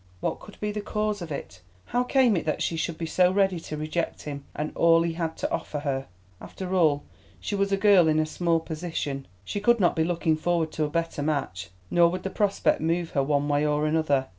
What could be the cause of it? How came it that she should be so ready to reject him, and all he had to offer her? After all, she was a girl in a small position. She could not be looking forward to a better match. Nor would the prospect move her one way or another.